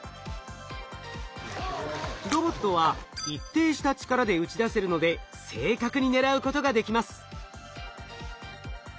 ロボットは一定した力で打ち出せるので正確に狙うことができます。